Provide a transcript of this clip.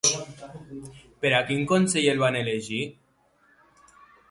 Per a quin consell el van elegir?